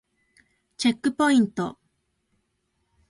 チェックポイント